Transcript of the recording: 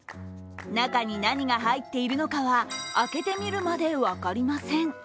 中に何が入っているのかは開けてみるまで分かりません。